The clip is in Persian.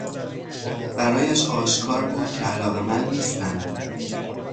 برایش آشکار بود که علاقمند نیستند.